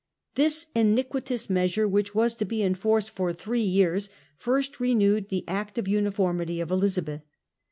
This iniquitous measure, which was to be in force for three years, first renewed the Act of Uniformity of Elizabeth.